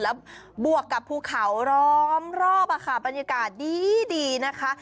แล้วบวกกับภูเขาล้อมรอบบรรยากาศดีนะคะ